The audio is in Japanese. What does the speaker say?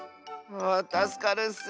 ああたすかるッス！